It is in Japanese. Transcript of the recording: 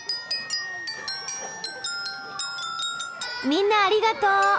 みんなありがとう。